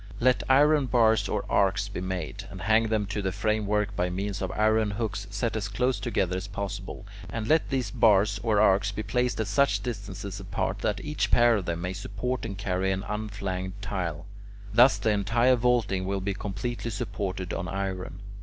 Let iron bars or arcs be made, and hang them to the framework by means of iron hooks set as close together as possible; and let these bars or arcs be placed at such distances apart that each pair of them may support and carry an unflanged tile. Thus the entire vaulting will be completely supported on iron.